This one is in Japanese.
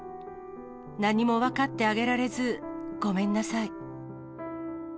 何も分かってあげられず、ごめんなさい。